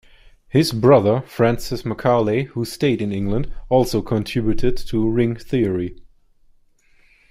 His brother Francis Macaulay, who stayed in England, also contributed to ring theory.